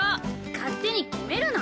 勝手に決めるな！